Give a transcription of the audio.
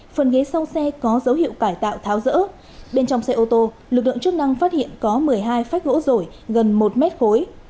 phần ghế sau xe có dấu hiệu cải tạo tháo rỡ bên trong xe ô tô lực lượng chức năng phát hiện có một mươi hai phách gỗ rổi gần một mét khối